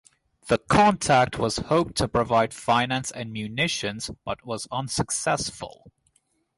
The contact was hoped to provide finance and munitions but was unsuccessful.